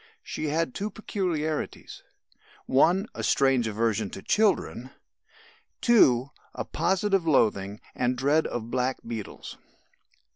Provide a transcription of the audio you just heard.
She had two peculiarities: (1) A strange aversion to children; (2) a positive loathing and dread of blackbeetles.